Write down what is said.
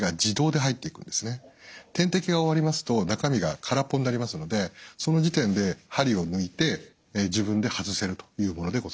点滴が終わりますと中身が空っぽになりますのでその時点で針を抜いて自分で外せるというものでございます。